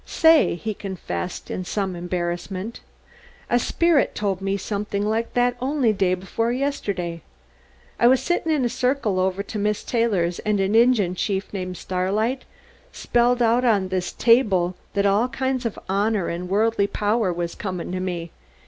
"Say," he confessed in some embarrassment, "a sperrit told me somethin' like that only day 'fore yisterday. I was settin' in a circle over to Mis' Taylor's and an Injun chief named 'Starlight' spelled out on the table that all kinds of honor and worldly power was comin' to me.